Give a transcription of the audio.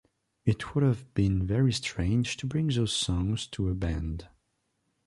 It would've been very strange to bring those songs to a band.